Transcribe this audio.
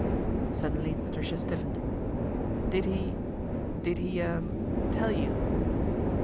: Suddenly Patricia stiffened. " Did he did he 2 er tell you